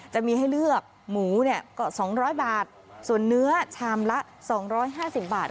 จะมีให้เลือกหมูเนี้ยก็สองร้อยบาทส่วนเนื้อชามละสองร้อยห้าสิบบาท